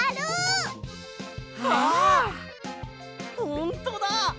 ほんとだ！